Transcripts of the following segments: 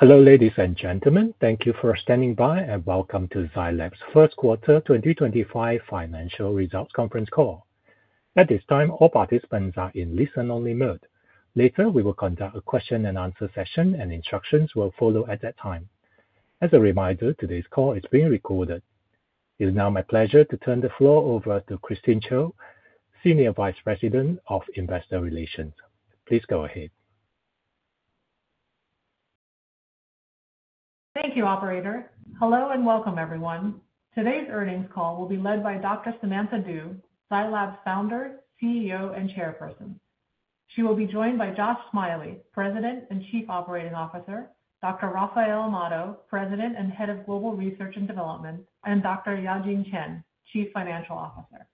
Hello, ladies and gentlemen. Thank you for standing by, and welcome to Zai Lab's first quarter 2025 financial results conference call. At this time, all participants are in listen-only mode. Later, we will conduct a question-and-answer session, and instructions will follow at that time. As a reminder, today's call is being recorded. It is now my pleasure to turn the floor over to Christine Chiou, Senior Vice President of Investor Relations. Please go ahead. Thank you, Operator. Hello and welcome, everyone. Today's earnings call will be led by Dr. Samantha Du, Zai Lab's Founder, CEO, and Chairperson. She will be joined by Josh Smiley, President and Chief Operating Officer; Dr. Rafael Amado, President and Head of Global Research and Development; and Dr. Yajing Chen, Chief Financial Officer.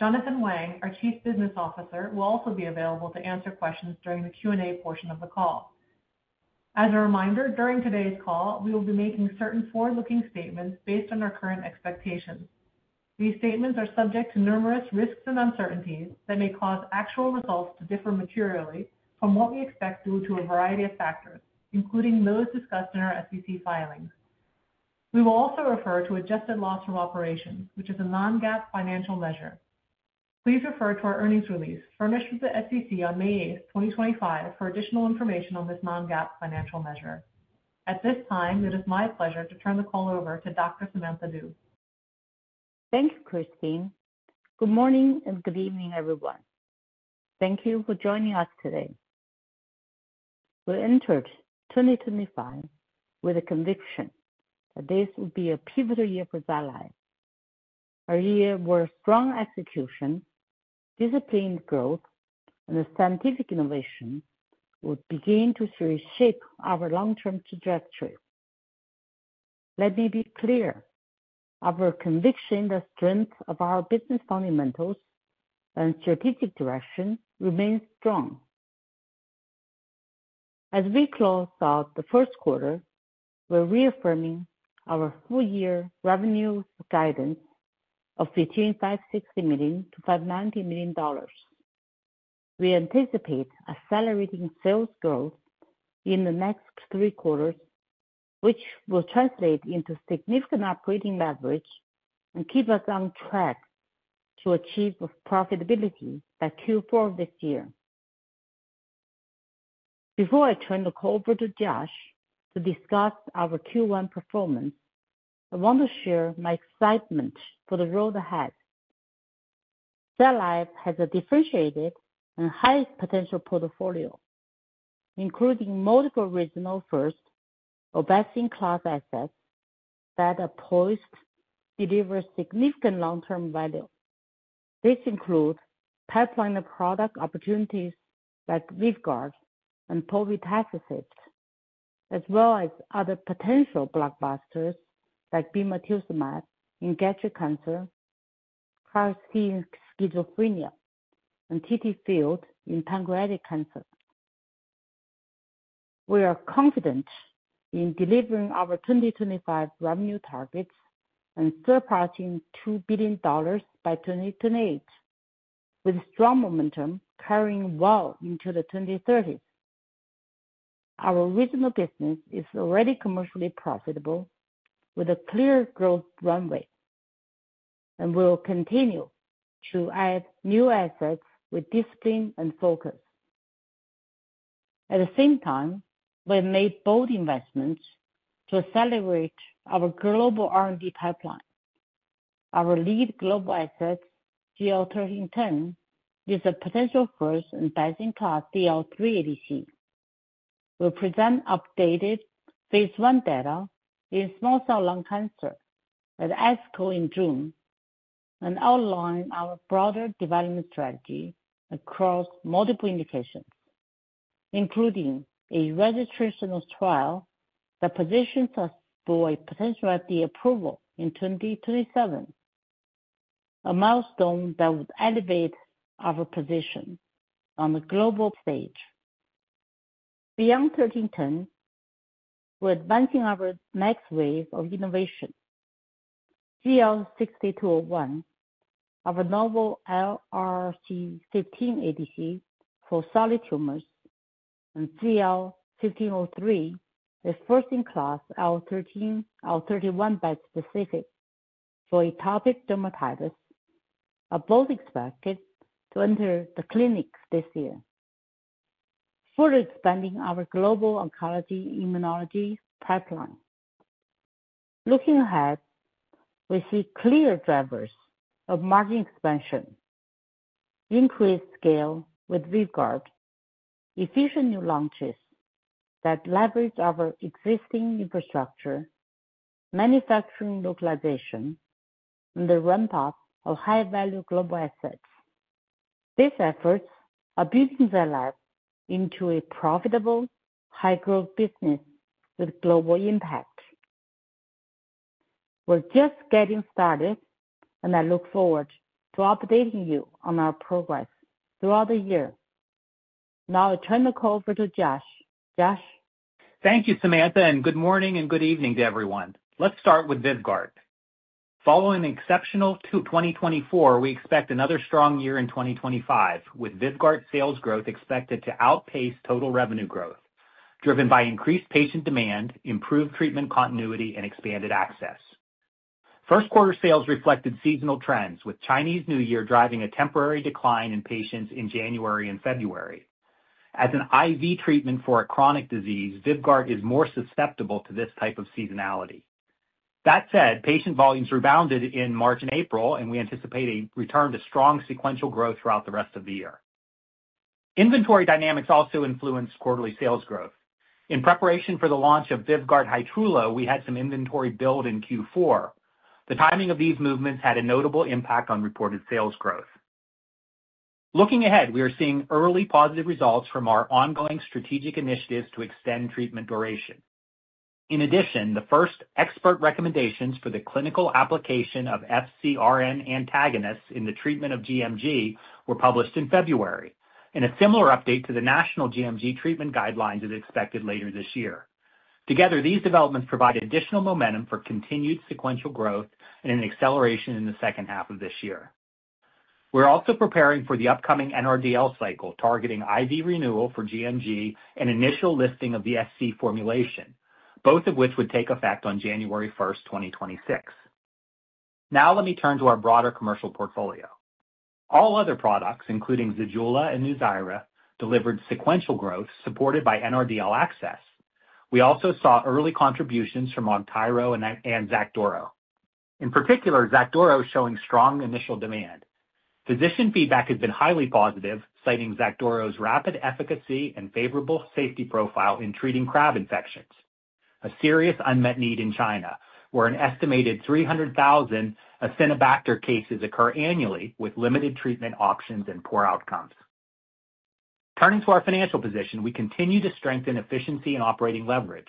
Jonathan Wang, our Chief Business Officer, will also be available to answer questions during the Q&A portion of the call. As a reminder, during today's call, we will be making certain forward-looking statements based on our current expectations. These statements are subject to numerous risks and uncertainties that may cause actual results to differ materially from what we expect due to a variety of factors, including those discussed in our SEC filings. We will also refer to adjusted loss from operations, which is a non-GAAP financial measure. Please refer to our earnings release furnished with the SEC on May 8, 2025, for additional information on this non-GAAP financial measure. At this time, it is my pleasure to turn the call over to Dr. Samantha Du. Thank you, Christine. Good morning and good evening, everyone. Thank you for joining us today. We entered 2025 with a conviction that this would be a pivotal year for Zai Lab. A year where strong execution, disciplined growth, and scientific innovation would begin to reshape our long-term trajectory. Let me be clear: our conviction that the strength of our business fundamentals and strategic direction remains strong. As we close out the first quarter, we're reaffirming our full-year revenue guidance of between $560 million-$590 million. We anticipate accelerating sales growth in the next three quarters, which will translate into significant operating leverage and keep us on track to achieve profitability by Q4 of this year. Before I turn the call over to Josh to discuss our Q1 performance, I want to share my excitement for the road ahead. Zai Lab has a differentiated and high-potential portfolio, including multiple regional-first or best-in-class assets that are poised to deliver significant long-term value. This includes pipeline product opportunities like VYVGART and povetacicept, as well as other potential blockbusters like bemarituzumab in gastric cancer, KarXT in schizophrenia, and TTFields in pancreatic cancer. We are confident in delivering our 2025 revenue targets and surpassing $2 billion by 2028, with strong momentum carrying well into the 2030s. Our regional business is already commercially profitable, with a clear growth runway, and we'll continue to add new assets with discipline and focus. At the same time, we've made bold investments to accelerate our global R&D pipeline. Our lead global asset, ZL-1310, is a potential first and best-in-class DLL3 ADC. We'll present updated phase I data in small cell lung cancer at ASCO in June and outline our broader development strategy across multiple indications, including a registration trial that positions us for a potential FDA approval in 2027, a milestone that would elevate our position on the global stage. Beyond 1310, we're advancing our next wave of innovation: ZL-6201, our novel LRRC15 ADC for solid tumors, and ZL-1503, a first-in-class IL-13, IL-31 bispecific for atopic dermatitis, are both expected to enter the clinics this year, further expanding our global oncology immunology pipeline. Looking ahead, we see clear drivers of margin expansion, increased scale with Vyvgart, efficient new launches that leverage our existing infrastructure, manufacturing localization, and the ramp-up of high-value global assets. These efforts are building Zai Lab into a profitable, high-growth business with global impact. We're just getting started, and I look forward to updating you on our progress throughout the year. Now, I'll turn the call over to Josh. Josh. Thank you, Samantha, and good morning and good evening to everyone. Let's start with VYVGART. Following an exceptional 2024, we expect another strong year in 2025, with VYVGART sales growth expected to outpace total revenue growth, driven by increased patient demand, improved treatment continuity, and expanded access. First-quarter sales reflected seasonal trends, with Chinese New Year driving a temporary decline in patients in January and February. As an IV treatment for a chronic disease, VYVGART is more susceptible to this type of seasonality. That said, patient volumes rebounded in March and April, and we anticipate a return to strong sequential growth throughout the rest of the year. Inventory dynamics also influenced quarterly sales growth. In preparation for the launch of VYVGART Hytrulo, we had some inventory build in Q4. The timing of these movements had a notable impact on reported sales growth. Looking ahead, we are seeing early positive results from our ongoing strategic initiatives to extend treatment duration. In addition, the first expert recommendations for the clinical application of FcRn antagonists in the treatment of GMG were published in February, and a similar update to the National GMG Treatment Guidelines is expected later this year. Together, these developments provide additional momentum for continued sequential growth and an acceleration in the second half of this year. We're also preparing for the upcoming NRDL cycle, targeting IV renewal for GMG and initial listing of the SC formulation, both of which would take effect on January 1, 2026. Now, let me turn to our broader commercial portfolio. All other products, including ZEJULA and NUZYRA, delivered sequential growth supported by NRDL access. We also saw early contributions from AUGTYRO and XACDURO. In particular, XACDURO is showing strong initial demand. Physician feedback has been highly positive, citing XACDURO's rapid efficacy and favorable safety profile in treating CRAB infections, a serious unmet need in China, where an estimated 300,000 Acinetobacter cases occur annually with limited treatment options and poor outcomes. Turning to our financial position, we continue to strengthen efficiency and operating leverage.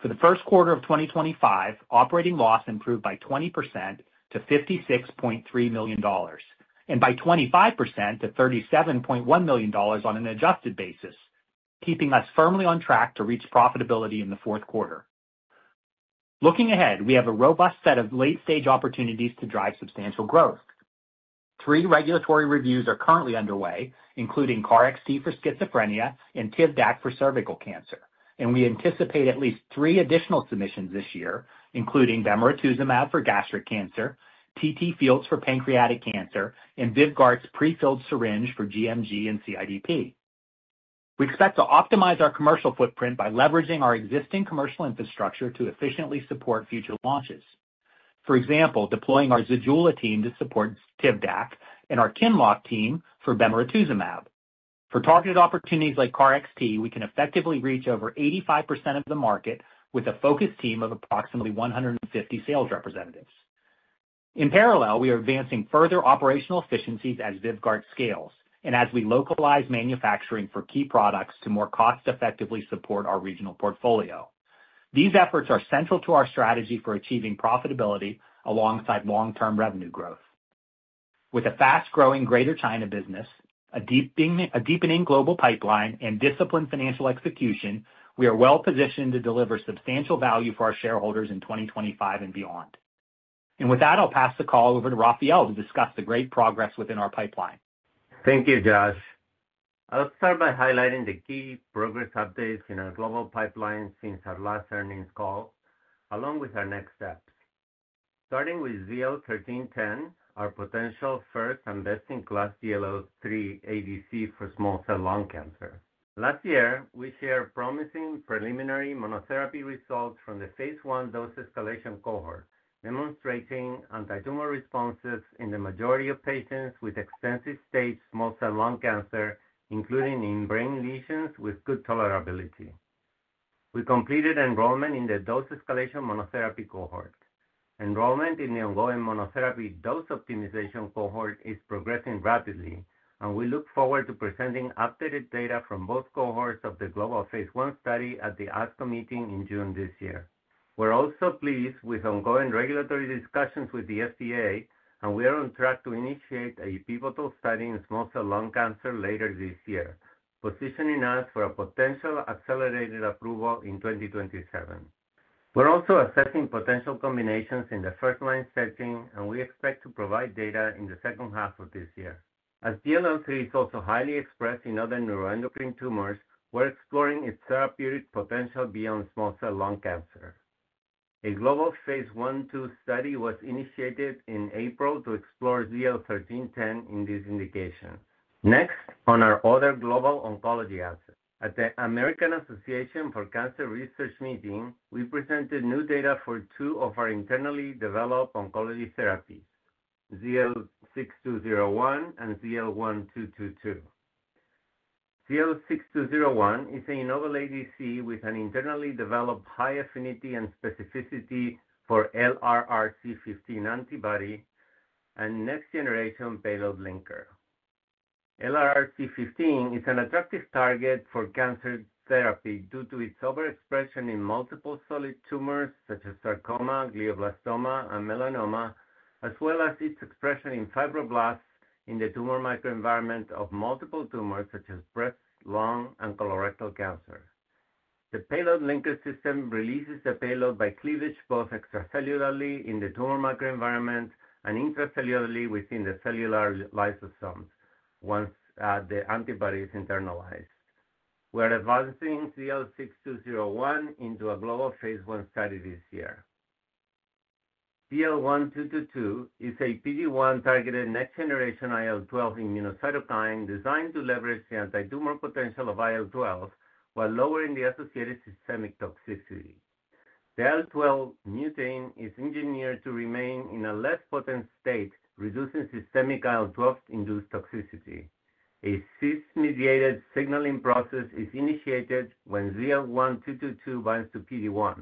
For the first quarter of 2025, operating loss improved by 20% to $56.3 million and by 25% to $37.1 million on an adjusted basis, keeping us firmly on track to reach profitability in the fourth quarter. Looking ahead, we have a robust set of late-stage opportunities to drive substantial growth. Three regulatory reviews are currently underway, including KarXT for schizophrenia and Tisotumab Vedotin for cervical cancer, and we anticipate at least three additional submissions this year, including bemarituzumab for gastric cancer, TTFields for pancreatic cancer, and VYVGART's prefilled syringe for GMG and CIDP. We expect to optimize our commercial footprint by leveraging our existing commercial infrastructure to efficiently support future launches. For example, deploying our ZEJULA team to support Tisotumab Vedotin and our ONCTIRA team for bemarituzumab. For targeted opportunities like KarXT, we can effectively reach over 85% of the market with a focus team of approximately 150 sales representatives. In parallel, we are advancing further operational efficiencies as VYVGART scales and as we localize manufacturing for key products to more cost-effectively support our regional portfolio. These efforts are central to our strategy for achieving profitability alongside long-term revenue growth. With a fast-growing Greater China business, a deepening global pipeline, and disciplined financial execution, we are well-positioned to deliver substantial value for our shareholders in 2025 and beyond. I will pass the call over to Rafael to discuss the great progress within our pipeline. Thank you, Josh. I'll start by highlighting the key progress updates in our global pipeline since our last earnings call, along with our next steps, starting with ZL-1310, our potential first and best-in-class DLL3 ADC for small cell lung cancer. Last year, we shared promising preliminary monotherapy results from the phase I dose escalation cohort, demonstrating antitumor responses in the majority of patients with extensive-stage small cell lung cancer, including in brain lesions with good tolerability. We completed enrollment in the dose escalation monotherapy cohort. Enrollment in the ongoing monotherapy dose optimization cohort is progressing rapidly, and we look forward to presenting updated data from both cohorts of the global phase I study at the ASCO meeting in June this year. We're also pleased with ongoing regulatory discussions with the FDA, and we are on track to initiate a pivotal study in small cell lung cancer later this year, positioning us for a potential accelerated approval in 2027. We're also assessing potential combinations in the first-line setting, and we expect to provide data in the second half of this year. As DLL3 is also highly expressed in other neuroendocrine tumors, we're exploring its therapeutic potential beyond small cell lung cancer. A global phase I-II study was initiated in April to explore ZL-1310 in these indications. Next, on our other global oncology assets, at the American Association for Cancer Research meeting, we presented new data for two of our internally developed oncology therapies, ZL-6201 and ZL-1222. ZL-6201 is a novel ADC with an internally developed high affinity and specificity for LRRC15 antibody and next-generation beta linker. LRRC15 is an attractive target for cancer therapy due to its overexpression in multiple solid tumors, such as sarcoma, glioblastoma, and melanoma, as well as its expression in fibroblasts in the tumor microenvironment of multiple tumors, such as breast, lung, and colorectal cancer. The payload linkage system releases the payload by cleavage both extracellularly in the tumor microenvironment and intracellularly within the cellular lysosomes once the antibody is internalized. We are advancing ZL-6201 into a global phase I study this year. ZL-1222 is a PD-1 targeted next-generation IL-12 immunocytokine designed to leverage the antitumor potential of IL-12 while lowering the associated systemic toxicity. The IL-12 mutant is engineered to remain in a less potent state, reducing systemic IL-12-induced toxicity. A cysteine-mediated signaling process is initiated when ZL-1222 binds to PD-1.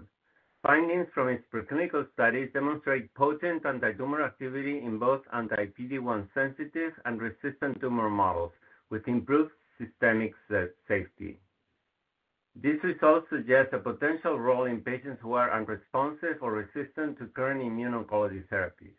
Findings from its preclinical studies demonstrate potent antitumor activity in both anti-PD-1 sensitive and resistant tumor models with improved systemic safety. These results suggest a potential role in patients who are unresponsive or resistant to current immune oncology therapies.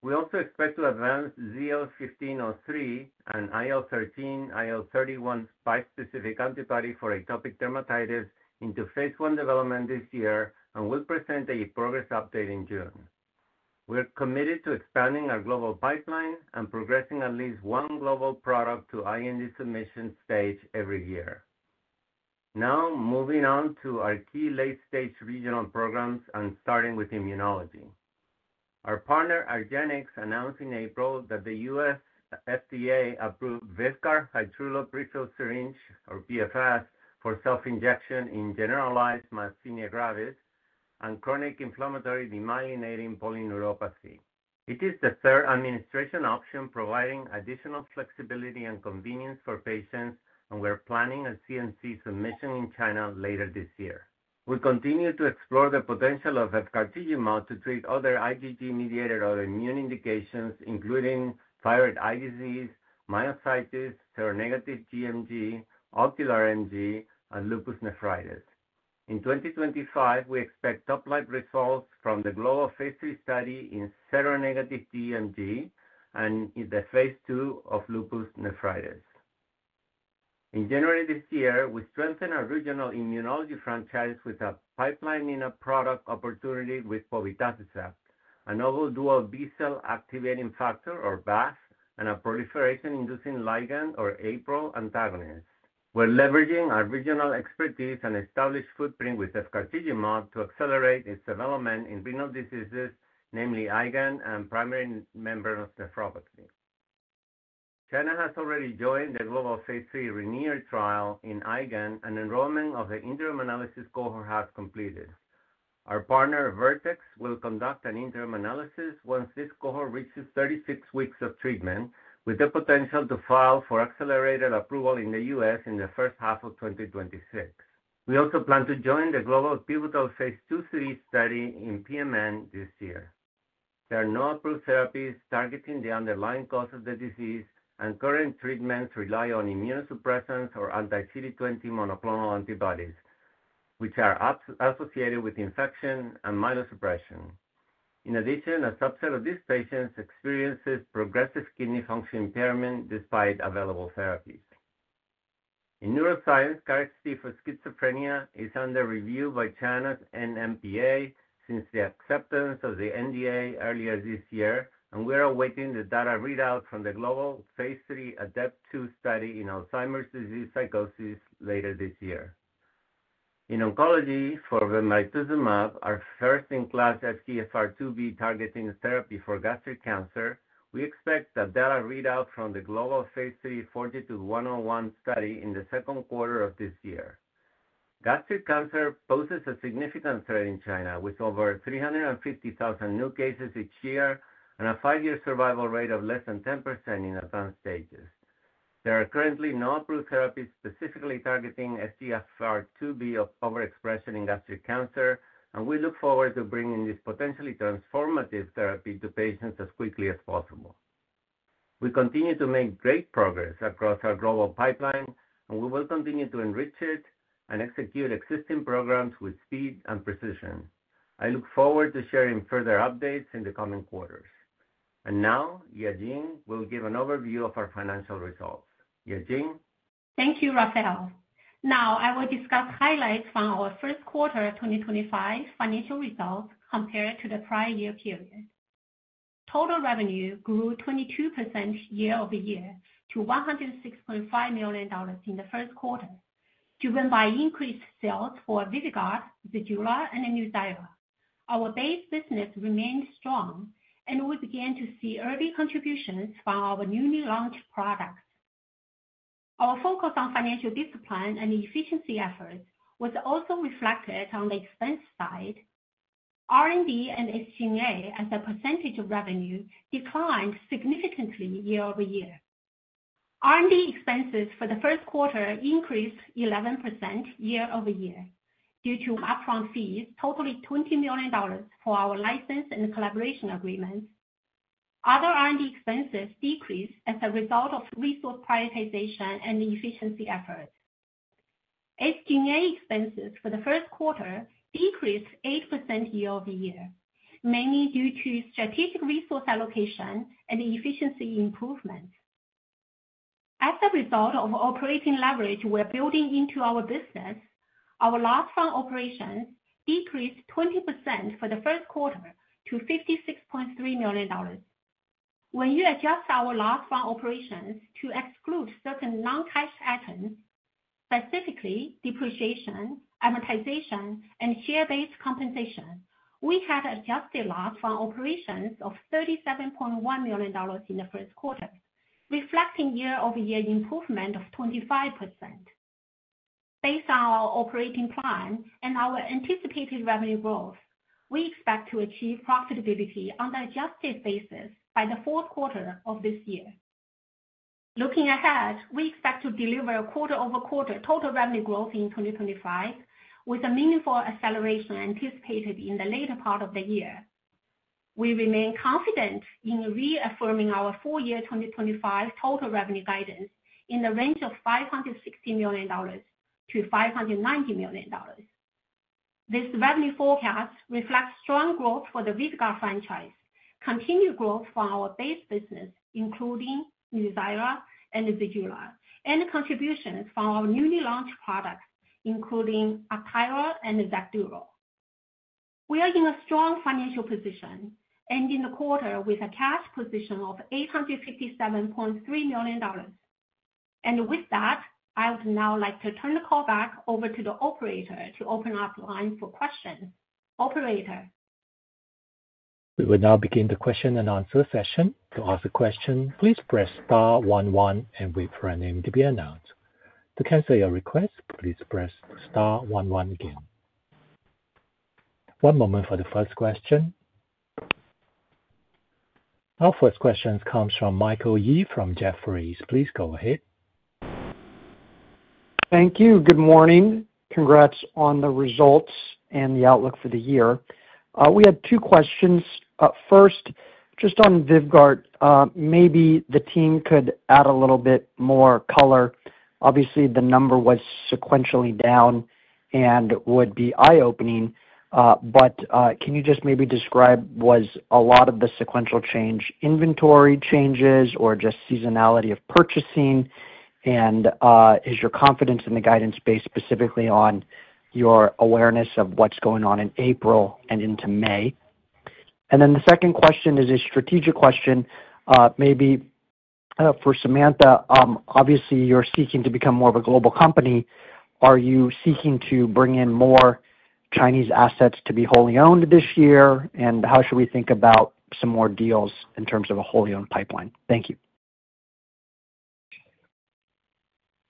We also expect to advance ZL-1503 and IL-13, IL-31 bispecific antibody for atopic dermatitis into phase I development this year and will present a progress update in June. We're committed to expanding our global pipeline and progressing at least one global product to IND submission stage every year. Now, moving on to our key late-stage regional programs and starting with immunology. Our partner, argenx, announced in April that the U.S. FDA approved VYVGART Hytrulo prefilled syringe, or PFS, for self-injection in generalized myasthenia gravis and chronic inflammatory demyelinating polyneuropathy. It is the third administration option, providing additional flexibility and convenience for patients, and we're planning a CMC submission in China later this year. We continue to explore the potential of efgartigimod to treat other IgG-mediated autoimmune indications, including thyroid eye disease, myositis, seronegative GMG, ocular MG, and lupus nephritis. In 2025, we expect topline results from the global phase III study in seronegative GMG and in the phase II of lupus nephritis. In January this year, we strengthened our regional immunology franchise with a pipeline product opportunity with povetacicept, a novel dual B-cell activating factor, or BAFF, and a proliferation-inducing ligand, or APRIL, antagonist. We're leveraging our regional expertise and established footprint with efgartigimod to accelerate its development in renal diseases, namely IgAN and primary membranous nephropathy. China has already joined the global phase III RENAISSANCE trial in IgAN, and enrollment of the interim analysis cohort has completed. Our partner, Vertex, will conduct an interim analysis once this cohort reaches 36 weeks of treatment, with the potential to file for accelerated approval in the U.S. in the first half of 2026. We also plan to join the global pivotal phase II study in PMN this year. There are no approved therapies targeting the underlying cause of the disease, and current treatments rely on immunosuppressants or anti-CD20 monoclonal antibodies, which are associated with infection and myelosuppression. In addition, a subset of these patients experiences progressive kidney function impairment despite available therapies. In neuroscience, KarXT for schizophrenia is under review by China's NMPA since the acceptance of the NDA earlier this year, and we are awaiting the data readout from the global phase III ADEPT-II study in Alzheimer's disease psychosis later this year. In oncology for bemarituzumab, our first-in-class FGFR2b targeting therapy for gastric cancer, we expect the data readout from the global phase III 40-101 study in the second quarter of this year. Gastric cancer poses a significant threat in China, with over 350,000 new cases each year and a five-year survival rate of less than 10% in advanced stages. There are currently no approved therapies specifically targeting FGFR2b overexpression in gastric cancer, and we look forward to bringing this potentially transformative therapy to patients as quickly as possible. We continue to make great progress across our global pipeline, and we will continue to enrich it and execute existing programs with speed and precision. I look forward to sharing further updates in the coming quarters. Now, Yajing will give an overview of our financial results. Yajing. Thank you, Rafael. Now, I will discuss highlights from our first quarter of 2025 financial results compared to the prior year period. Total revenue grew 22% year-over-year to $106.5 million in the first quarter, driven by increased sales for VYVGART, ZEJULA, and NUZYRA. Our base business remained strong, and we began to see early contributions from our newly launched products. Our focus on financial discipline and efficiency efforts was also reflected on the expense side. R&D and SG&A as a percentage of revenue declined significantly year over year. R&D expenses for the first quarter increased 11% year over year due to upfront fees, totaling $20 million for our license and collaboration agreements. Other R&D expenses decreased as a result of resource prioritization and efficiency efforts. SG&A expenses for the first quarter decreased 8% year over year, mainly due to strategic resource allocation and efficiency improvements. As a result of operating leverage, we're building into our business. Our last fund operations decreased 20% for the first quarter to $56.3 million. When you adjust our last fund operations to exclude certain non-cash items, specifically depreciation, amortization, and share-based compensation, we had adjusted last fund operations of $37.1 million in the first quarter, reflecting year-over-year improvement of 25%. Based on our operating plan and our anticipated revenue growth, we expect to achieve profitability on the adjusted basis by the fourth quarter of this year. Looking ahead, we expect to deliver quarter-over-quarter total revenue growth in 2025, with a meaningful acceleration anticipated in the later part of the year. We remain confident in reaffirming our full year 2025 total revenue guidance in the range of $560 million-$590 million. This revenue forecast reflects strong growth for the Vyvgart franchise, continued growth from our base business, including NUZYRA and ZEJULA, and contributions from our newly launched products, including ONCTIRA and XACDURO. We are in a strong financial position ending the quarter with a cash position of $857.3 million. I would now like to turn the call back over to the operator to open up the line for questions. Operator. We will now begin the question and answer session. To ask a question, please press Star 11 and wait for a name to be announced. To cancel your request, please press Star 11 again. One moment for the first question. Our first question comes from Michael Yee from Jefferies. Please go ahead. Thank you. Good morning. Congrats on the results and the outlook for the year. We had two questions. First, just on Vyvgart, maybe the team could add a little bit more color. Obviously, the number was sequentially down and would be eye-opening, but can you just maybe describe was a lot of the sequential change inventory changes or just seasonality of purchasing? Is your confidence in the guidance based specifically on your awareness of what's going on in April and into May? The second question is a strategic question, maybe for Samantha. Obviously, you're seeking to become more of a global company. Are you seeking to bring in more Chinese assets to be wholly owned this year? How should we think about some more deals in terms of a wholly owned pipeline? Thank you.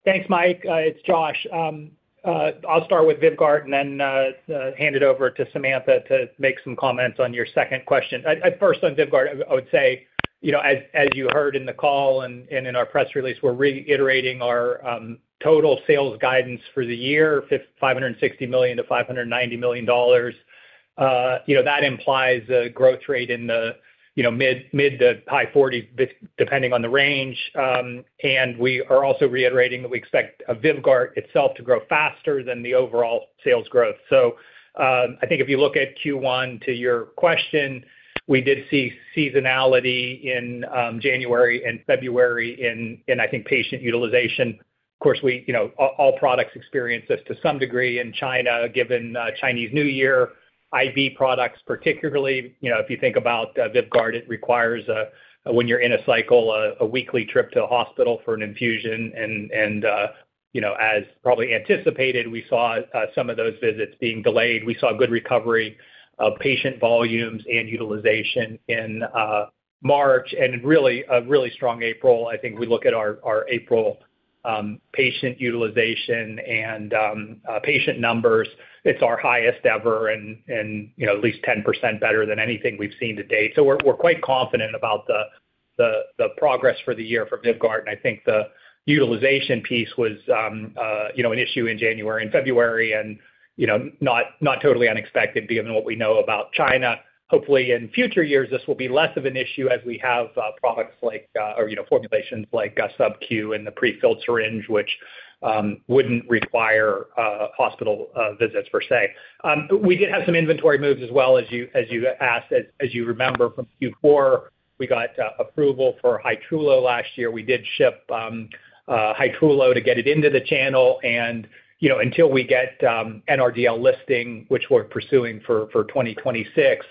Thanks, Mike. It's Josh. I'll start with Vyvgart and then hand it over to Samantha to make some comments on your second question. First, on Vyvgart, I would say, as you heard in the call and in our press release, we're reiterating our total sales guidance for the year, $560 million-$590 million. That implies a growth rate in the mid to high 40%, depending on the range. We are also reiterating that we expect Vyvgart itself to grow faster than the overall sales growth. I think if you look at Q1, to your question, we did see seasonality in January and February in, I think, patient utilization. Of course, all products experience this to some degree in China, given Chinese New Year. IV products, particularly, if you think about Vyvgart, it requires, when you're in a cycle, a weekly trip to the hospital for an infusion. We did ship Hytrulo to get it into the channel. Until we get NRDL listing, which we're pursuing for 2026,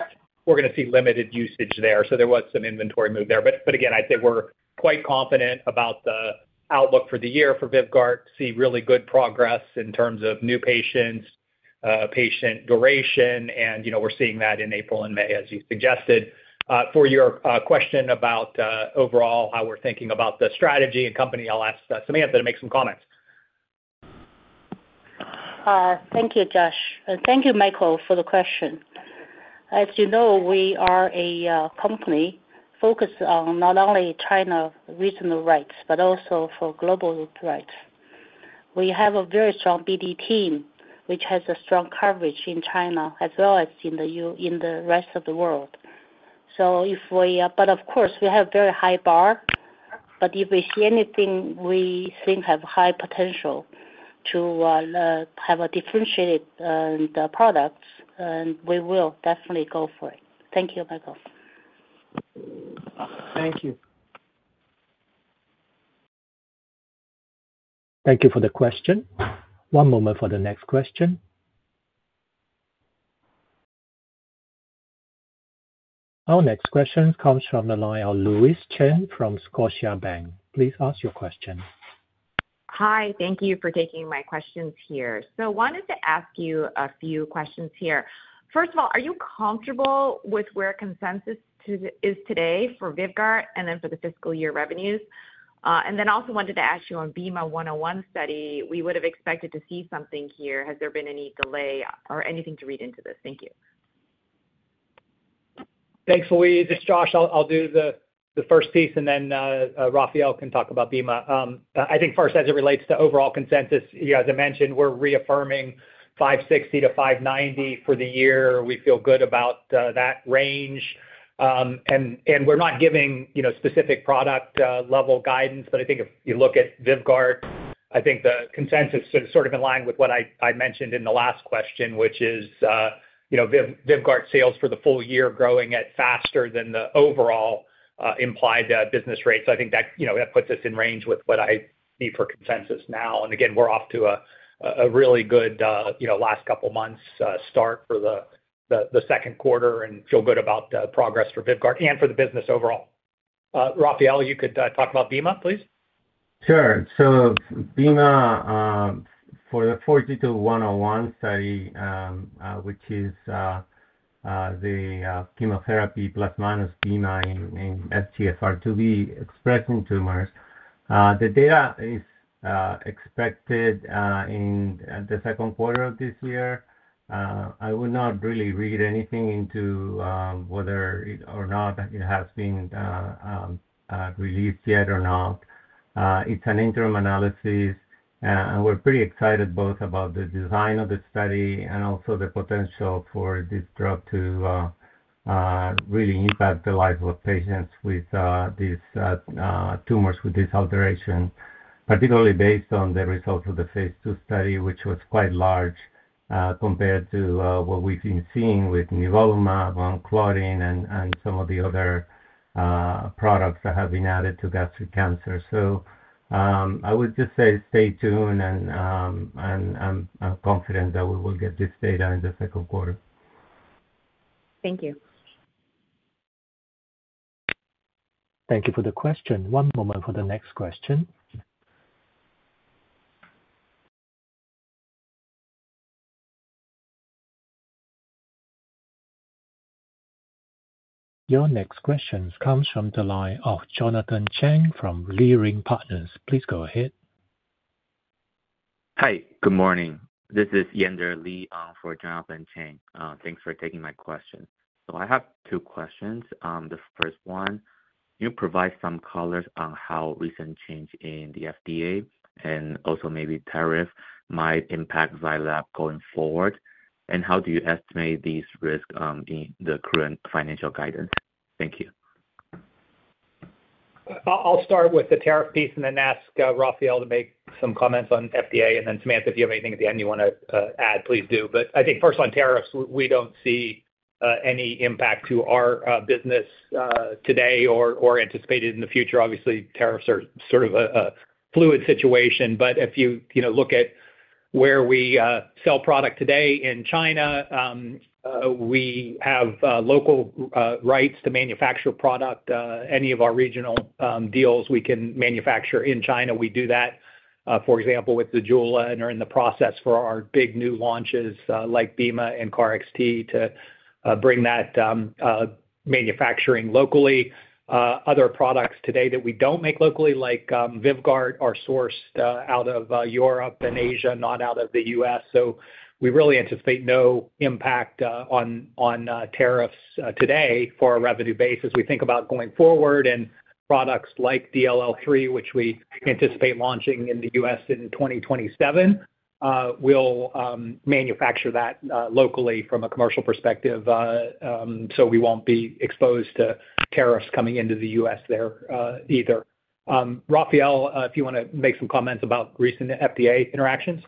we're going to see limited usage there. There was some inventory move there. Again, I'd say we're quite confident about the outlook for the year for Vyvgart. See really good progress in terms of new patients, patient duration, and we're seeing that in April and May, as you suggested. For your question about overall how we're thinking about the strategy and company, I'll ask Samantha to make some comments. Thank you, Josh. Thank you, Michael, for the question. As you know, we are a company focused on not only China regional rights, but also for global rights. We have a very strong BD team, which has a strong coverage in China as well as in the rest of the world. Of course, we have a very high bar. If we see anything we think has high potential to have a differentiated product, we will definitely go for it. Thank you, Michael. Thank you. Thank you for the question. One moment for the next question. Our next question comes from the line of Louise Chen from Scotiabank. Please ask your question. Hi. Thank you for taking my questions here. Wanted to ask you a few questions here. First of all, are you comfortable with where consensus is today for Vyvgart and then for the fiscal year revenues? Also wanted to ask you on BEMA 101 study, we would have expected to see something here. Has there been any delay or anything to read into this? Thank you. Thanks, Louis. It's Josh. I'll do the first piece, and then Rafael can talk about BIMA. I think first, as it relates to overall consensus, as I mentioned, we're reaffirming $560 million-$590 million for the year. We feel good about that range. We're not giving specific product-level guidance, but I think if you look at Vyvgart, I think the consensus is sort of in line with what I mentioned in the last question, which is Vyvgart sales for the full year growing at faster than the overall implied business rates. I think that puts us in range with what I see for consensus now. Again, we're off to a really good last couple of months start for the second quarter and feel good about progress for Vyvgart and for the business overall. Rafael, you could talk about BIMA, please. Sure. BEMA for the 40-101 study, which is the chemotherapy plus-minus bemarituzumab in FGFR2b expressing tumors, the data is expected in the second quarter of this year. I will not really read anything into whether or not it has been released yet or not. It is an interim analysis, and we're pretty excited both about the design of the study and also the potential for this drug to really impact the life of patients with these tumors with this alteration, particularly based on the results of the phase two study, which was quite large compared to what we've been seeing with nivolumab, claudin, and some of the other products that have been added to gastric cancer. I would just say stay tuned, and I'm confident that we will get this data in the second quarter. Thank you. Thank you for the question. One moment for the next question. Your next question comes from the line of Jonathan Chang from Leerink Partners. Please go ahead. Hi. Good morning. This is Yen-Der Li for Jonathan Chang. Thanks for taking my question. I have two questions. The first one, can you provide some colors on how recent change in the FDA and also maybe tariff might impact Zai Lab going forward? How do you estimate these risks in the current financial guidance? Thank you. I'll start with the tariff piece and then ask Rafael to make some comments on FDA. If you have anything at the end you want to add, Samantha, please do. I think first on tariffs, we do not see any impact to our business today or anticipated in the future. Obviously, tariffs are sort of a fluid situation. If you look at where we sell product today in China, we have local rights to manufacture product. Any of our regional deals we can manufacture in China, we do that. For example, with ZEJULA and are in the process for our big new launches like bemarituzumab and KarXT to bring that manufacturing locally. Other products today that we do not make locally like VYVGART are sourced out of Europe and Asia, not out of the U.S. We really anticipate no impact on tariffs today for a revenue basis. We think about going forward and products like DLL3, which we anticipate launching in the U.S. in 2027, we'll manufacture that locally from a commercial perspective so we won't be exposed to tariffs coming into the U.S. there either. Rafael, if you want to make some comments about recent FDA interactions.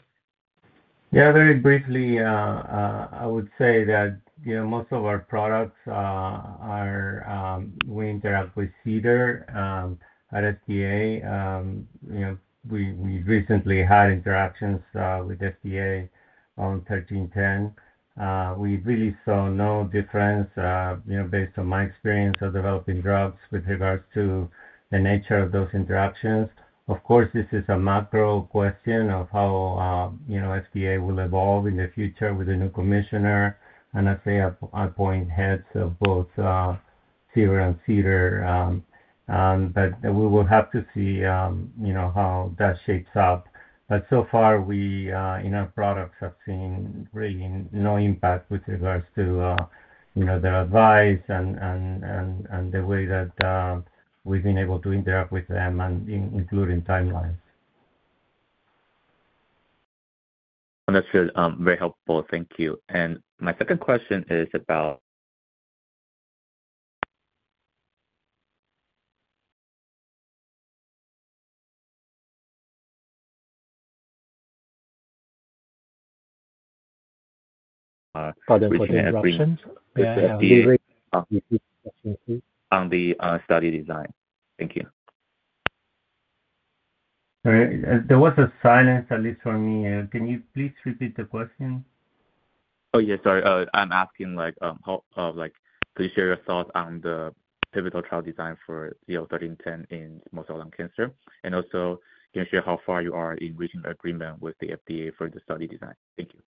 Yeah. Very briefly, I would say that most of our products are we interact with CDER at FDA. We recently had interactions with FDA on 1310. We really saw no difference based on my experience of developing drugs with regards to the nature of those interactions. Of course, this is a macro question of how FDA will evolve in the future with the new commissioner. I say I point heads of both CDER and CBER, but we will have to see how that shapes up. So far, we in our products have seen really no impact with regards to their advice and the way that we've been able to interact with them and including timelines. That's very helpful. Thank you. My second question is about. Further questions or reactions? On the study design. Thank you. There was a silence, at least for me. Can you please repeat the question? Oh, yeah. Sorry. I'm asking like, please share your thoughts on the pivotal trial design for ZL-1310 in small cell lung cancer. Also, can you share how far you are in reaching agreement with the FDA for the study design? Thank you.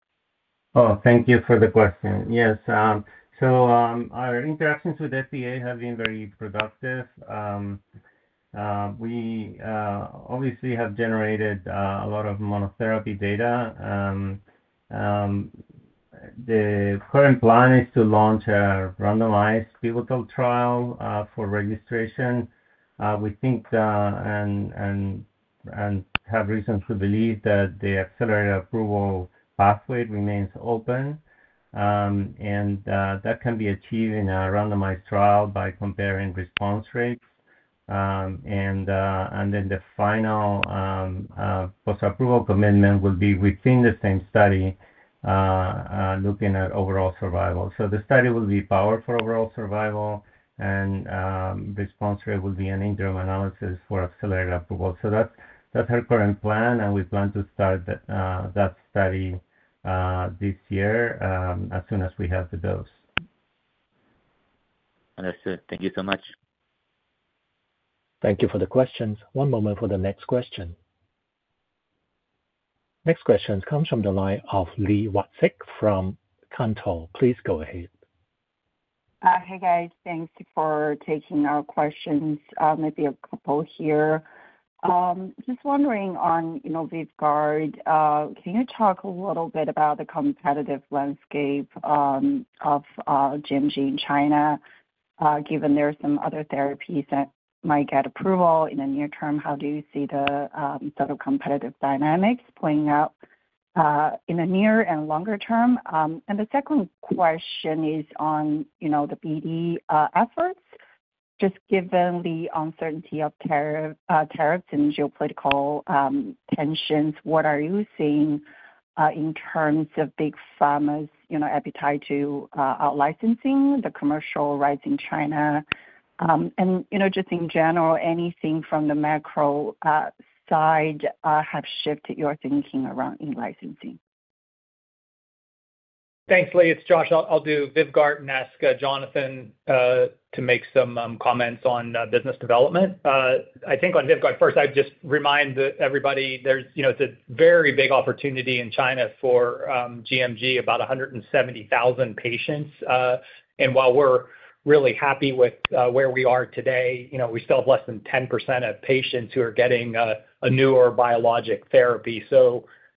Oh, thank you for the question. Yes. So our interactions with FDA have been very productive. We obviously have generated a lot of monotherapy data. The current plan is to launch a randomized pivotal trial for registration. We think and have reason to believe that the accelerated approval pathway remains open. That can be achieved in a randomized trial by comparing response rates. The final post-approval commitment will be within the same study looking at overall survival. The study will be powered for overall survival, and response rate will be an interim analysis for accelerated approval. That is our current plan, and we plan to start that study this year as soon as we have the dose. Understood. Thank you so much. Thank you for the questions. One moment for the next question. Next question comes from the line of Li Watsek from Cantor Fitzgerald. Please go ahead. Hey, guys. Thanks for taking our questions. Maybe a couple here. Just wondering on Vyvgart, can you talk a little bit about the competitive landscape of GMG in China given there are some other therapies that might get approval in the near term? How do you see the sort of competitive dynamics playing out in the near and longer term? The second question is on the BD efforts. Just given the uncertainty of tariffs and geopolitical tensions, what are you seeing in terms of big pharma's appetite to licensing, the commercial rights in China? In general, anything from the macro side have shifted your thinking around in licensing? Thanks, Lee. It's Josh. I'll do Vyvgart and ask Jonathan to make some comments on business development. I think on Vyvgart first, I'd just remind everybody there's a very big opportunity in China for GMG, about 170,000 patients. While we're really happy with where we are today, we still have less than 10% of patients who are getting a newer biologic therapy.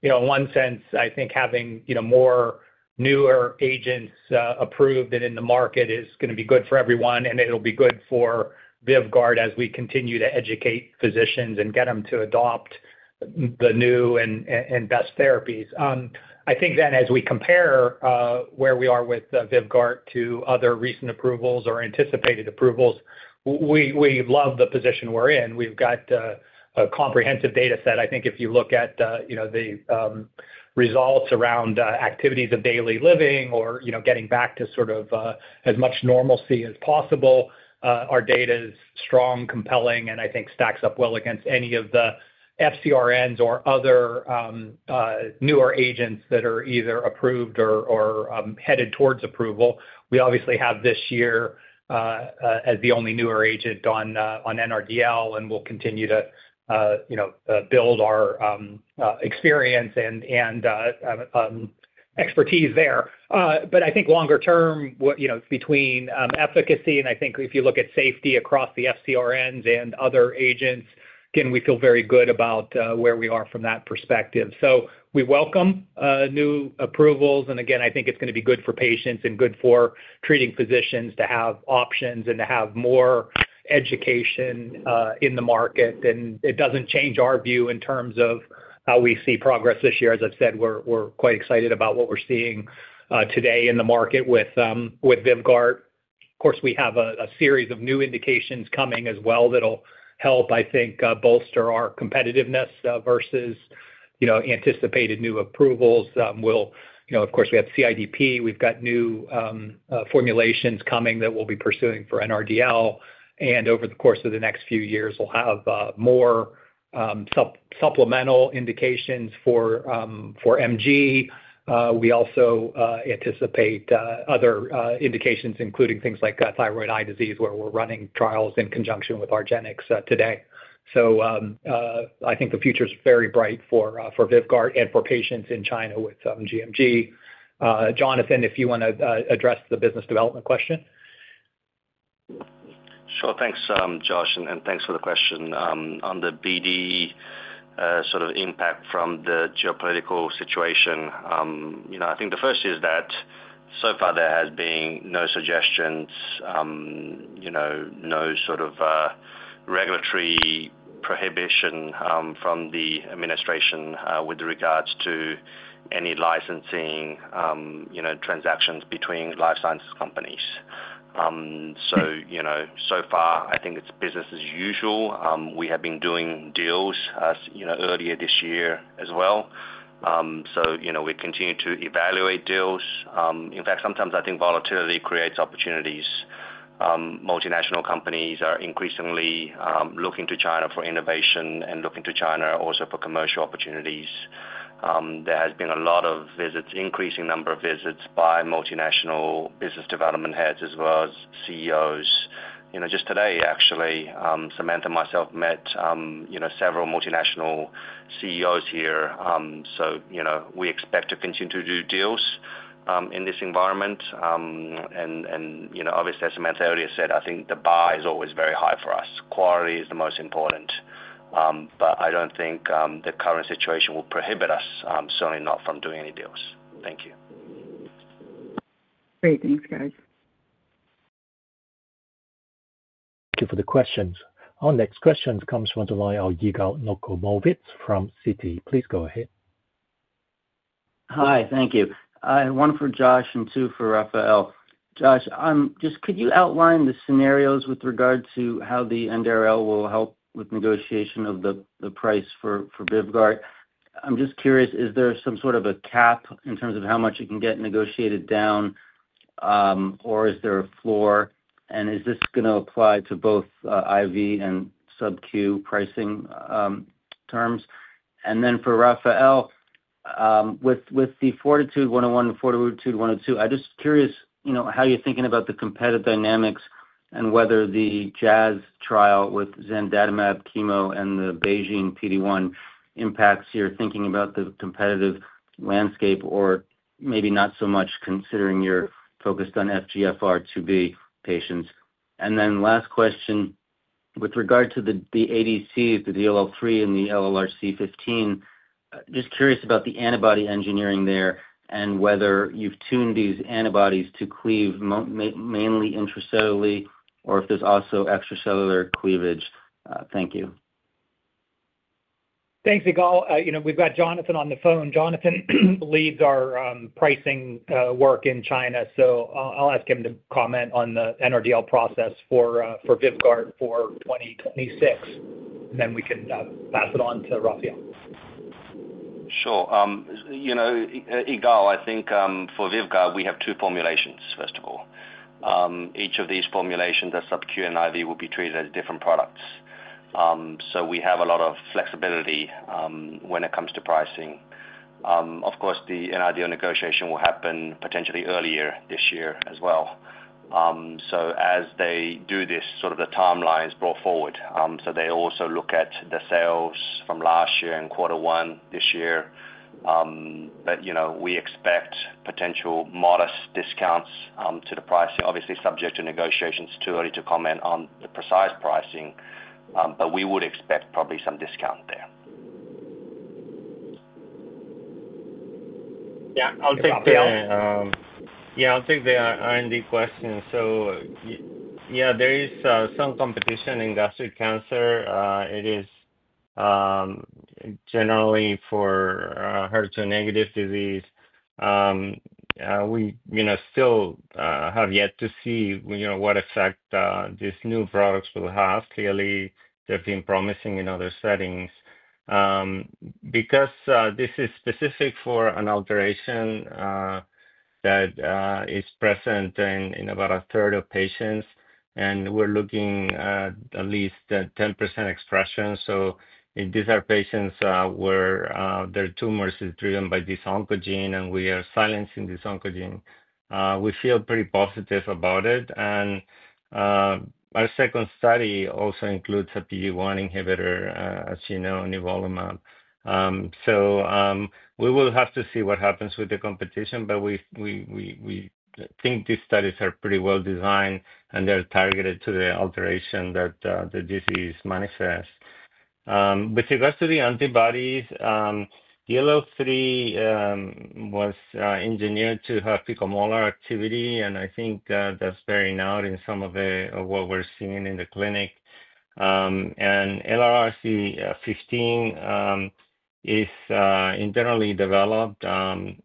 In one sense, I think having more newer agents approved and in the market is going to be good for everyone, and it'll be good for Vyvgart as we continue to educate physicians and get them to adopt the new and best therapies. I think then as we compare where we are with Vyvgart to other recent approvals or anticipated approvals, we love the position we're in. We've got a comprehensive data set. I think if you look at the results around activities of daily living or getting back to sort of as much normalcy as possible, our data is strong, compelling, and I think stacks up well against any of the FCRNs or other newer agents that are either approved or headed towards approval. We obviously have this year as the only newer agent on NRDL, and we will continue to build our experience and expertise there. I think longer term, between efficacy and I think if you look at safety across the FCRNs and other agents, again, we feel very good about where we are from that perspective. We welcome new approvals. Again, I think it is going to be good for patients and good for treating physicians to have options and to have more education in the market. It does not change our view in terms of how we see progress this year. As I have said, we are quite excited about what we are seeing today in the market with Vyvgart. Of course, we have a series of new indications coming as well that will help, I think, bolster our competitiveness versus anticipated new approvals. Of course, we have CIDP. We have new formulations coming that we will be pursuing for NRDL. Over the course of the next few years, we will have more supplemental indications for MG. We also anticipate other indications, including things like thyroid eye disease, where we are running trials in conjunction with argenx today. I think the future is very bright for Vyvgart and for patients in China with GMG. Jonathan, if you want to address the business development question. Sure. Thanks, Josh. Thanks for the question. On the BD sort of impact from the geopolitical situation, I think the first is that so far there has been no suggestions, no sort of regulatory prohibition from the administration with regards to any licensing transactions between life sciences companies. So far, I think it's business as usual. We have been doing deals earlier this year as well. We continue to evaluate deals. In fact, sometimes I think volatility creates opportunities. Multinational companies are increasingly looking to China for innovation and looking to China also for commercial opportunities. There has been a lot of visits, increasing number of visits by multinational business development heads as well as CEOs. Just today, actually, Samantha and myself met several multinational CEOs here. We expect to continue to do deals in this environment. Obviously, as Samantha earlier said, I think the bar is always very high for us. Quality is the most important. I do not think the current situation will prohibit us, certainly not from doing any deals. Thank you. Great. Thanks, guys. Thank you for the questions. Our next question comes from the line of Yigal Nochomovitz from Citi. Please go ahead. Hi. Thank you. One for Josh and two for Rafael. Josh, just could you outline the scenarios with regard to how the NRDL will help with negotiation of the price for Vyvgart? I'm just curious, is there some sort of a cap in terms of how much it can get negotiated down, or is there a floor? Is this going to apply to both IV and subQ pricing terms? For Rafael, with the Fortitude 101 and Fortitude 102, I'm just curious how you're thinking about the competitive dynamics and whether the JAZ trial with zenocutuzumab, chemo, and the BeiGene PD-1 impacts your thinking about the competitive landscape, or maybe not so much considering you're focused on FGFR2b patients. Last question, with regard to the ADC, the DLL3, and the LRRC15, just curious about the antibody engineering there and whether you've tuned these antibodies to cleave mainly intracellularly or if there's also extracellular cleavage. Thank you. Thanks, Yigal. We've got Jonathan on the phone. Jonathan leads our pricing work in China. I will ask him to comment on the NRDL process for Vyvgart for 2026. Then we can pass it on to Rafael. Sure. Yigal, I think for VYVGART, we have two formulations, first of all. Each of these formulations, a subQ and IV, will be treated as different products. We have a lot of flexibility when it comes to pricing. Of course, the NRDL negotiation will happen potentially earlier this year as well. As they do this, the timeline is brought forward. They also look at the sales from last year and quarter one this year. We expect potential modest discounts to the pricing. Obviously, subject to negotiations, it is too early to comment on the precise pricing, but we would expect probably some discount there. Yeah. I'll take the. Yeah. I'll take the R&D question. So yeah, there is some competition in gastric cancer. It is generally for HER2 negative disease. We still have yet to see what effect these new products will have. Clearly, they've been promising in other settings. Because this is specific for an alteration that is present in about a third of patients, and we're looking at at least 10% expression. So these are patients where their tumor is driven by this oncogene, and we are silencing this oncogene. We feel pretty positive about it. And our second study also includes a PD-1 inhibitor, as you know, nivolumab. So we will have to see what happens with the competition, but we think these studies are pretty well designed, and they're targeted to the alteration that the disease manifests. With regards to the antibodies, DLL3 was engineered to have picomolar activity, and I think that's bearing out in some of what we're seeing in the clinic. LLRC15 is internally developed, and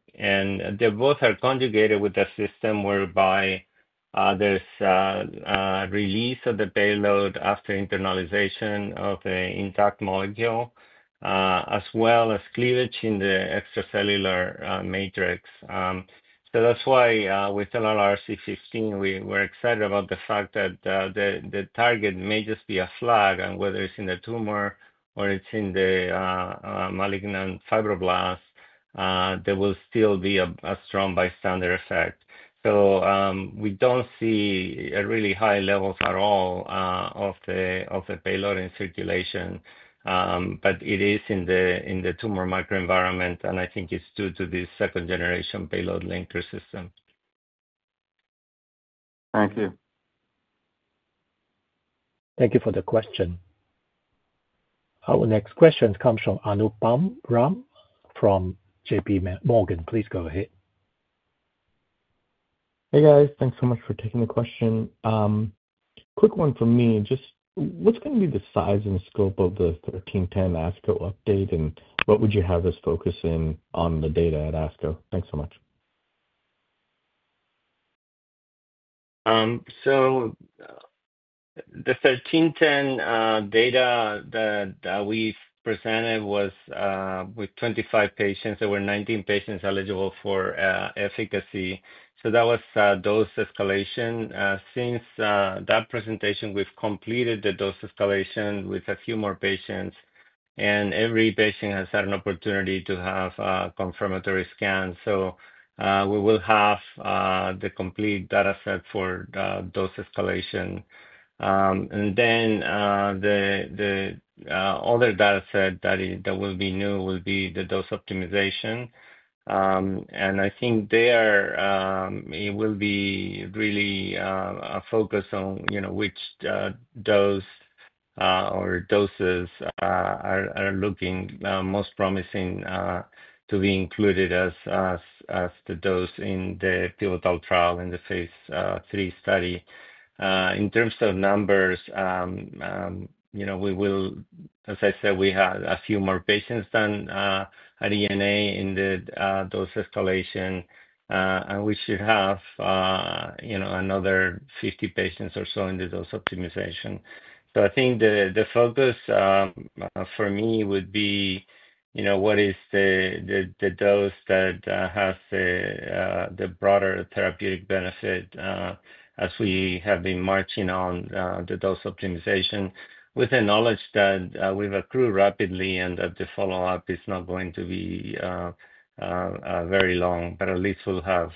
they both are conjugated with a system whereby there's release of the payload after internalization of the intact molecule, as well as cleavage in the extracellular matrix. That's why with LLRC15, we're excited about the fact that the target may just be a flag, and whether it's in the tumor or it's in the malignant fibroblast, there will still be a strong bystander effect. We don't see really high levels at all of the payload in circulation, but it is in the tumor microenvironment, and I think it's due to this second-generation payload linker system. Thank you. Thank you for the question. Our next question comes from Anupam Rama from JP Morgan. Please go ahead. Hey, guys. Thanks so much for taking the question. Quick one from me. Just what's going to be the size and scope of the 1310 ASCO update, and what would you have us focus in on the data at ASCO? Thanks so much. The 1310 data that we presented was with 25 patients. There were 19 patients eligible for efficacy. That was dose escalation. Since that presentation, we've completed the dose escalation with a few more patients, and every patient has had an opportunity to have a confirmatory scan. We will have the complete dataset for dose escalation. The other dataset that will be new will be the dose optimization. I think there it will be really a focus on which dose or doses are looking most promising to be included as the dose in the pivotal trial in the phase III study. In terms of numbers, as I said, we had a few more patients than 19 in the dose escalation, and we should have another 50 patients or so in the dose optimization. I think the focus for me would be what is the dose that has the broader therapeutic benefit as we have been marching on the dose optimization with the knowledge that we've accrued rapidly and that the follow-up is not going to be very long, but at least we'll have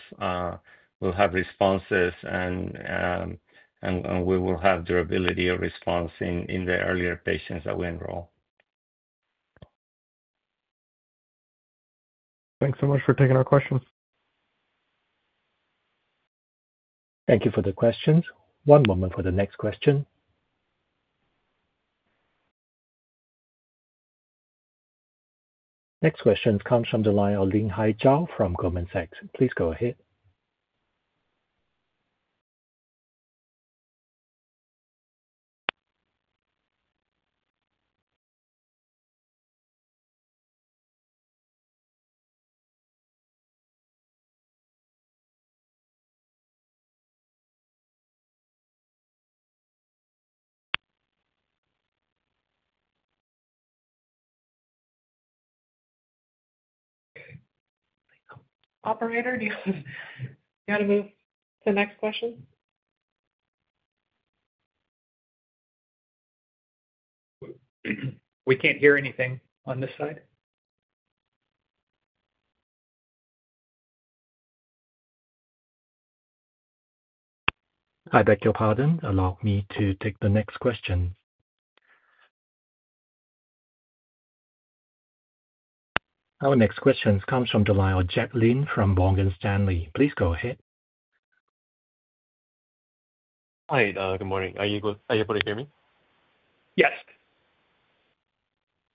responses, and we will have durability of response in the earlier patients that we enroll. Thanks so much for taking our questions. Thank you for the questions. One moment for the next question. Next question comes from the line of Linhai Zhao from Goldman Sachs. Please go ahead. Operator, do you want to move to the next question? We can't hear anything on this side. Hi, Dr. Hardin. Allow me to take the next question. Our next questions come from the line of Jack Lin from Morgan Stanley. Please go ahead. Hi. Good morning. Are you able to hear me? Yes.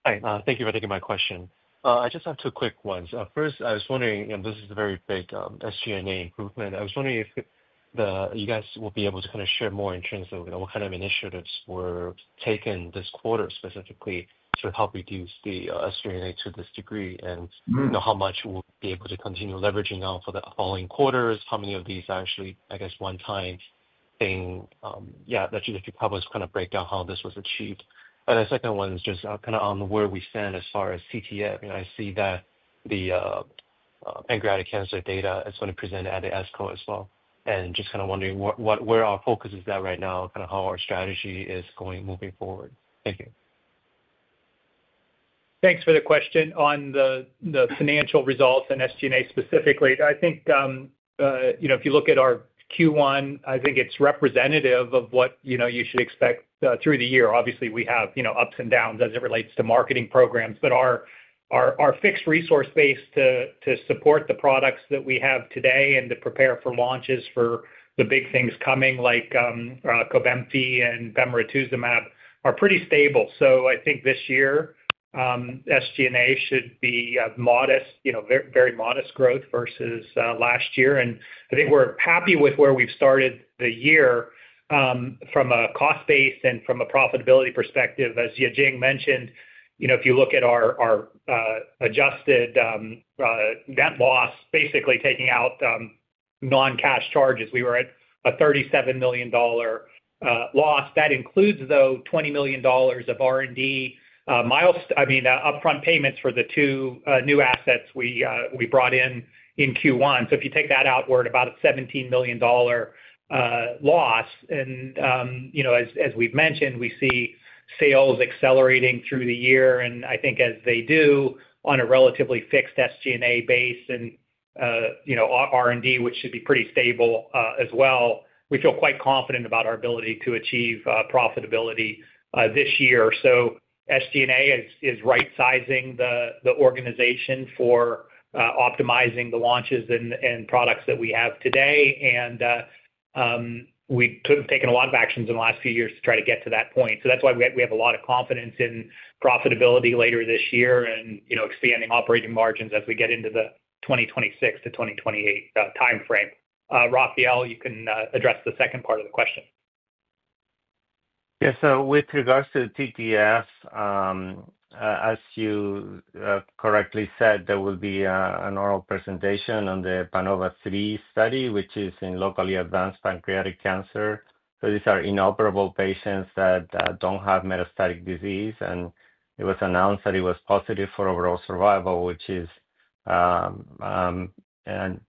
Hi. Thank you for taking my question. I just have two quick ones. First, I was wondering, and this is a very big SG&A improvement. I was wondering if you guys will be able to kind of share more in terms of what kind of initiatives were taken this quarter specifically to help reduce the SG&A to this degree and how much we'll be able to continue leveraging out for the following quarters, how many of these are actually, I guess, one-time thing. Yeah, that you could help us kind of break down how this was achieved. The second one is just kind of on where we stand as far as TTFields. I see that the pancreatic cancer data is going to present at the ASCO as well. Just kind of wondering where our focus is at right now, kind of how our strategy is going moving forward. Thank you. Thanks for the question. On the financial results and SG&A specifically, I think if you look at our Q1, I think it's representative of what you should expect through the year. Obviously, we have ups and downs as it relates to marketing programs, but our fixed resource base to support the products that we have today and to prepare for launches for the big things coming like Cobemti and bemarituzumab are pretty stable. I think this year, SG&A should be modest, very modest growth versus last year. I think we're happy with where we've started the year from a cost base and from a profitability perspective. As Yajing mentioned, if you look at our adjusted net loss, basically taking out non-cash charges, we were at a $37 million loss. That includes, though, $20 million of R&D, I mean, upfront payments for the two new assets we brought in in Q1. If you take that out, we're at about a $17 million loss. As we've mentioned, we see sales accelerating through the year. I think as they do on a relatively fixed SG&A base and R&D, which should be pretty stable as well, we feel quite confident about our ability to achieve profitability this year. SG&A is right-sizing the organization for optimizing the launches and products that we have today. We could have taken a lot of actions in the last few years to try to get to that point. That is why we have a lot of confidence in profitability later this year and expanding operating margins as we get into the 2026 to 2028 timeframe. Rafael, you can address the second part of the question. Yeah. With regards to the TTFields, as you correctly said, there will be an oral presentation on the Panova III study, which is in locally advanced pancreatic cancer. These are inoperable patients that do not have metastatic disease. It was announced that it was positive for overall survival, which is a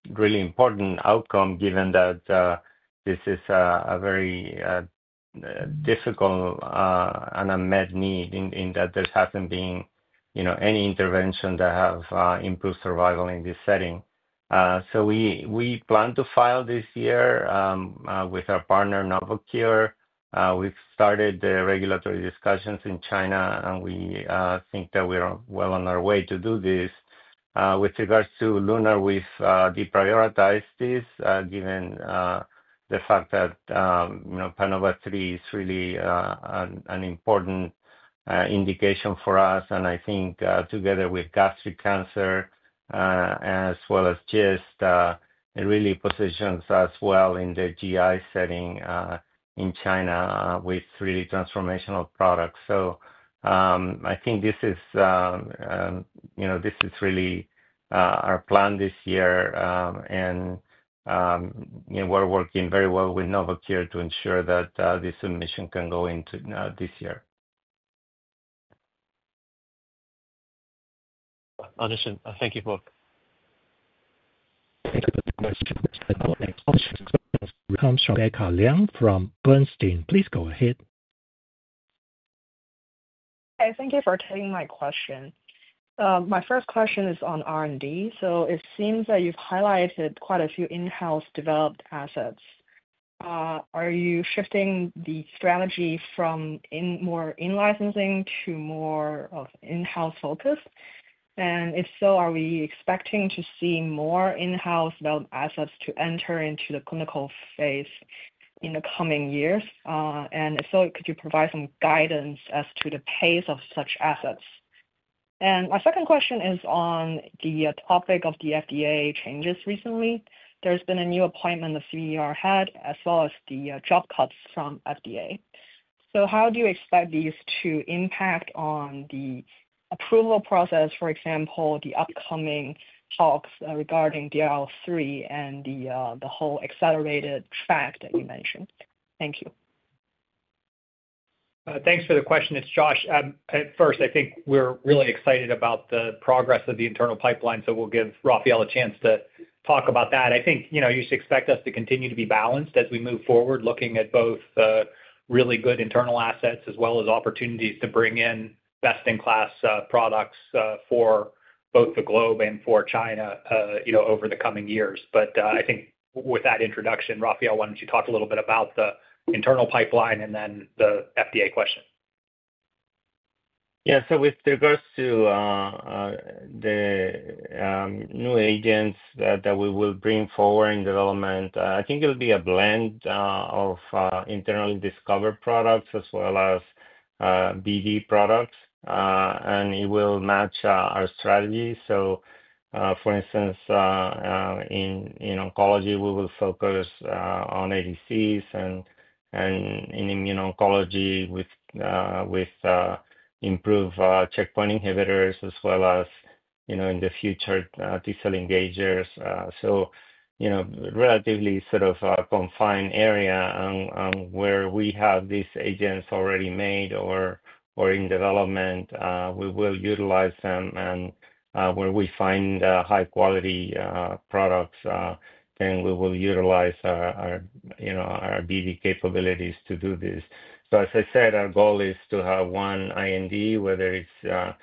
really important outcome given that this is a very difficult and unmet need in that there has not been any intervention that has improved survival in this setting. We plan to file this year with our partner, Novocure. We have started the regulatory discussions in China, and we think that we are well on our way to do this. With regards to LUNAR, we have deprioritized this given the fact that Panova III is really an important indication for us. I think together with gastric cancer as well as GIST, it really positions us well in the GI setting in China with really transformational products. I think this is really our plan this year. We are working very well with Novocure to ensure that this submission can go into this year. Thank you both. Thank you for the question. Comes from Rebecca Liang from Bernstein. Please go ahead. Hi. Thank you for taking my question. My first question is on R&D. It seems that you've highlighted quite a few in-house developed assets. Are you shifting the strategy from more in-licensing to more of in-house focus? If so, are we expecting to see more in-house developed assets to enter into the clinical phase in the coming years? If so, could you provide some guidance as to the pace of such assets? My second question is on the topic of the FDA changes recently. There's been a new appointment of CDER head as well as the job cuts from FDA. How do you expect these to impact on the approval process, for example, the upcoming talks regarding DLL3 and the whole accelerated track that you mentioned? Thank you. Thanks for the question. It's Josh. At first, I think we're really excited about the progress of the internal pipeline, so we'll give Rafael a chance to talk about that. I think you should expect us to continue to be balanced as we move forward, looking at both really good internal assets as well as opportunities to bring in best-in-class products for both the globe and for China over the coming years. With that introduction, Rafael, why don't you talk a little bit about the internal pipeline and then the FDA question? Yeah. With regards to the new agents that we will bring forward in development, I think it'll be a blend of internally discovered products as well as BD products, and it will match our strategy. For instance, in oncology, we will focus on ADCs and in immune oncology with improved checkpoint inhibitors as well as in the future T cell engagers. Relatively sort of a confined area where we have these agents already made or in development, we will utilize them. Where we find high-quality products, then we will utilize our BD capabilities to do this. As I said, our goal is to have one IND, whether it's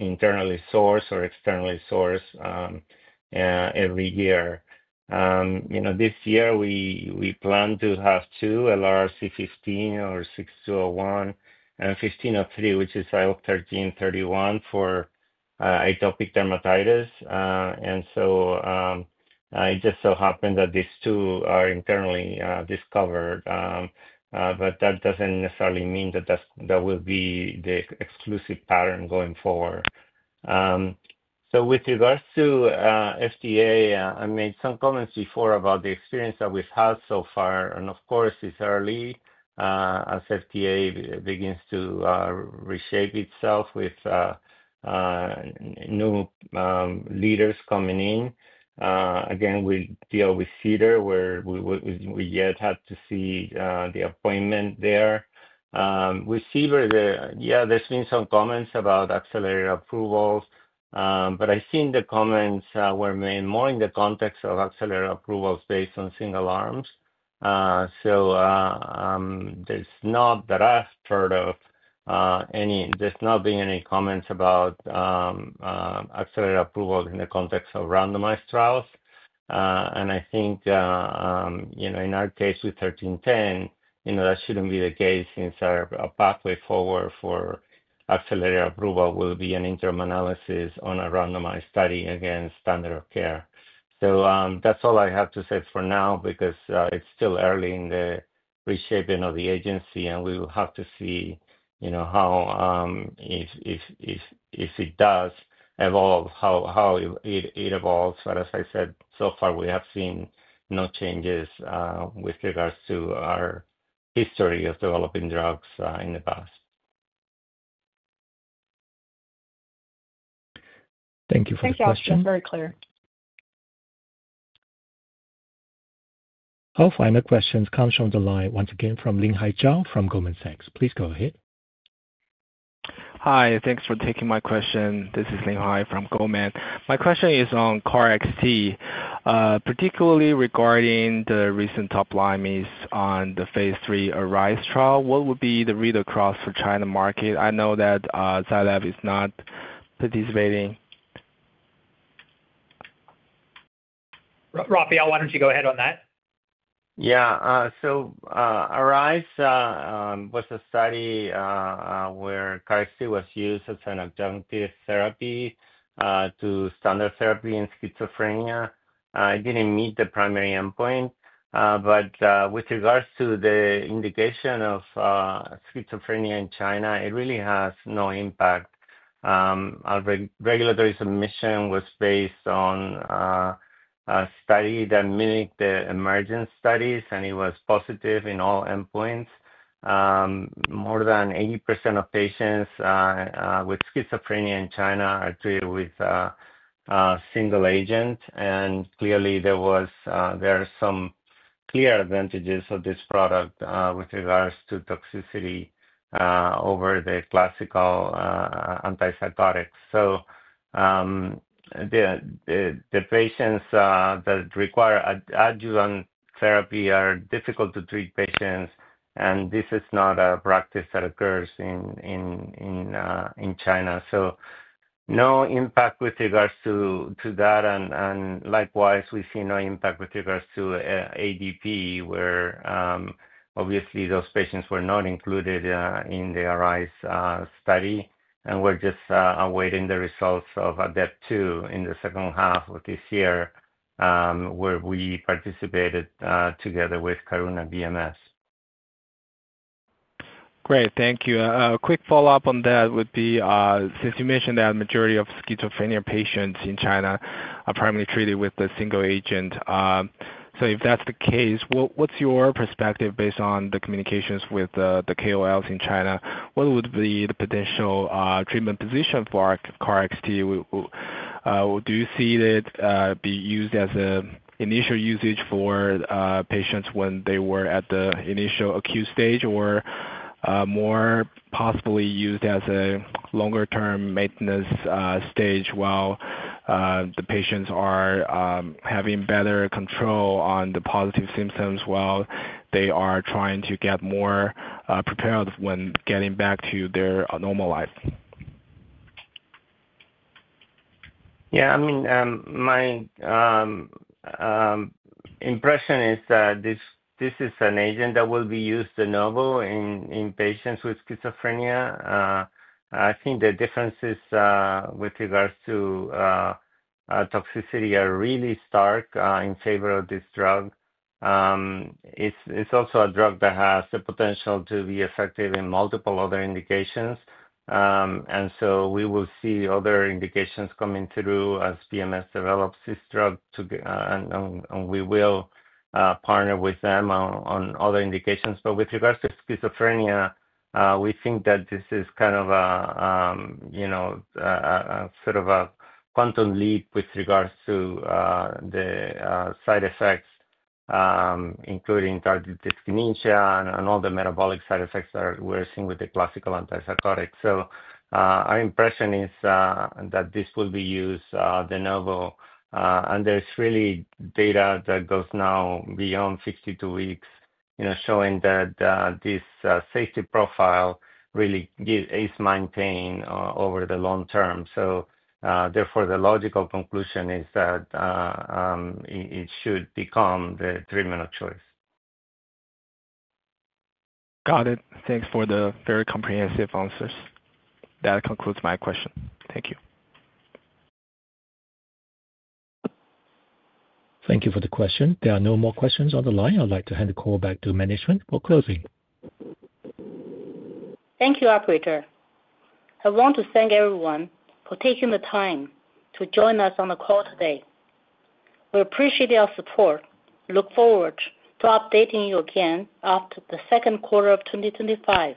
internally sourced or externally sourced, every year. This year, we plan to have two, LRRC15 or ZL-6201 and ZL-1503, which is IOP 1331 for atopic dermatitis. It just so happened that these two are internally discovered, but that does not necessarily mean that that will be the exclusive pattern going forward. With regards to FDA, I made some comments before about the experience that we have had so far. Of course, it is early as FDA begins to reshape itself with new leaders coming in. Again, we deal with CDER, where we have yet to see the appointment there. With CDER, there have been some comments about accelerated approvals, but I have seen the comments were made more in the context of accelerated approvals based on single arms. There is not that I have heard of any, there have not been any comments about accelerated approvals in the context of randomized trials. I think in our case with 1310, that should not be the case since our pathway forward for accelerated approval will be an interim analysis on a randomized study against standard of care. That is all I have to say for now because it is still early in the reshaping of the agency, and we will have to see how, if it does evolve, how it evolves. As I said, so far, we have seen no changes with regards to our history of developing drugs in the past. Thank you for the question. Thank you. Very clear. Our final questions come from the line, once again, from Linhai Zhao from Goldman Sachs. Please go ahead. Hi. Thanks for taking my question. This is Linhai Zhao from Goldman Sachs. My question is on KarXT, particularly regarding the recent top line on the phase III ARISE trial. What would be the read across for China market? I know that Zai Lab is not participating. Rafael, why don't you go ahead on that? Yeah. ARISE was a study where KarXT was used as an adjunctive therapy to standard therapy in schizophrenia. It did not meet the primary endpoint. With regards to the indication of schizophrenia in China, it really has no impact. Our regulatory submission was based on a study that mimicked the EMERGENT studies, and it was positive in all endpoints. More than 80% of patients with schizophrenia in China are treated with single agent. Clearly, there are some clear advantages of this product with regards to toxicity over the classical antipsychotics. The patients that require adjuvant therapy are difficult to treat patients, and this is not a practice that occurs in China. No impact with regards to that. Likewise, we see no impact with regards to ADP, where obviously those patients were not included in the ARISE study. We're just awaiting the results of ADEPT-II in the second half of this year, where we participated together with Karuna and Bristol Myers Squibb. Great. Thank you. A quick follow-up on that would be, since you mentioned that majority of schizophrenia patients in China are primarily treated with a single agent. If that's the case, what's your perspective based on the communications with the KOLs in China? What would be the potential treatment position for KarXT? Do you see it being used as an initial usage for patients when they were at the initial acute stage, or more possibly used as a longer-term maintenance stage while the patients are having better control on the positive symptoms while they are trying to get more prepared when getting back to their normal life? Yeah. I mean, my impression is that this is an agent that will be used de novo in patients with schizophrenia. I think the differences with regards to toxicity are really stark in favor of this drug. It's also a drug that has the potential to be effective in multiple other indications. We will see other indications coming through as BMS develops this drug. We will partner with them on other indications. With regards to schizophrenia, we think that this is kind of a sort of a quantum leap with regards to the side effects, including tardive dyskinesia and all the metabolic side effects that we're seeing with the classical antipsychotics. Our impression is that this will be used de novo. There's really data that goes now beyond 62 weeks showing that this safety profile really is maintained over the long term. Therefore, the logical conclusion is that it should become the treatment of choice. Got it. Thanks for the very comprehensive answers. That concludes my question. Thank you. Thank you for the question. There are no more questions on the line. I'd like to hand the call back to management for closing. Thank you, Operator. I want to thank everyone for taking the time to join us on the call today. We appreciate your support. Look forward to updating you again after the second quarter of 2025.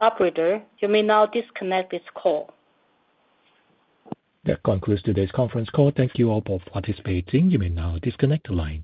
Operator, you may now disconnect this call. That concludes today's conference call. Thank you all for participating. You may now disconnect the lines.